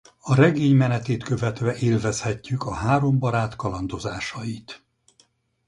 A regény menetét követve élvezhetjük a három barát kalandozásait.